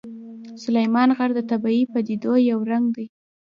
سلیمان غر د طبیعي پدیدو یو رنګ دی.